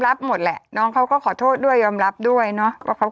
รับหมดแหละน้องเขาก็ขอโทษด้วยยอมรับด้วยเนอะว่าเขา